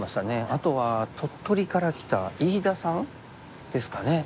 あとは鳥取から来た飯田さんですかね。